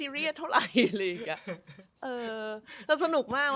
เยี่ยม